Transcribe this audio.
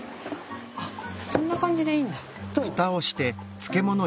あこんな感じでいいんだ。